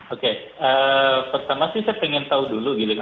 oke pertama sih saya ingin tahu dulu gitu ya